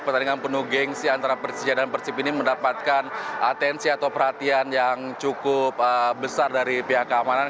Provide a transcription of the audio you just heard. pertandingan penuh gengsi antara persija dan persib ini mendapatkan atensi atau perhatian yang cukup besar dari pihak keamanan